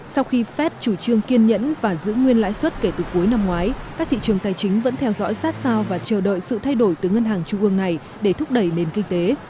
sau khi fed chủ trương kiên nhẫn và giữ nguyên lãi suất kể từ cuối năm ngoái các thị trường tài chính vẫn theo dõi sát sao và chờ đợi sự thay đổi từ ngân hàng trung ương này để thúc đẩy nền kinh tế